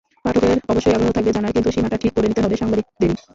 পাঠকের অবশ্যই আগ্রহ থাকবে জানার, কিন্তু সীমাটা ঠিক করে নিতে হবে সাংবাদিকদেরই।